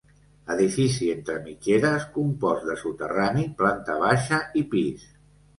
Edifici entre mitgeres, compost de soterrani, planta baixa i pis.